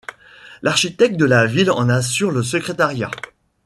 L'architecte de la ville en assure le secrétariat.